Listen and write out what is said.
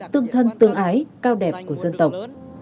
tương thân tương ái cao đẹp của dân tộc